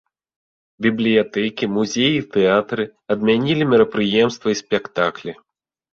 Бібліятэкі, музеі і тэатры адмянілі мерапрыемствы і спектаклі.